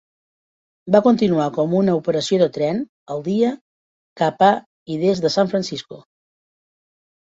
Va continuar com una operació de tren al dia cap a i des de San Francisco.